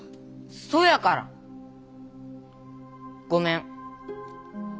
そやからごめん。